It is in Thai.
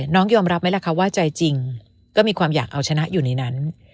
ยอมรับไหมล่ะคะว่าใจจริงก็มีความอยากเอาชนะอยู่ในนั้น